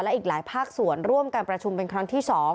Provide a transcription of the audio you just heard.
อีกหลายภาคส่วนร่วมการประชุมเป็นครั้งที่๒